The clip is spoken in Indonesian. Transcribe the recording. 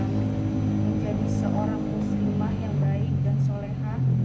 menjadi seorang muslimah yang baik dan soleha